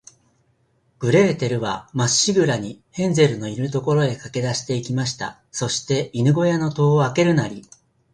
グレーテルは、まっしぐらに、ヘンゼルのいる所へかけだして行きました。そして、犬ごやの戸をあけるなり、